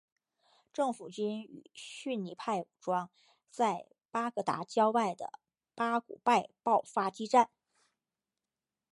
政府军与逊尼派武装在巴格达郊外的巴古拜爆发激战。